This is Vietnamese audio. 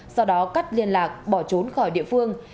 sau đó cắt liên lạc bỏ trốn khỏi địa phương